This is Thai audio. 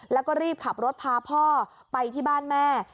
แล้วก็รีบขับรถพาพ่อไปที่บ้านแม่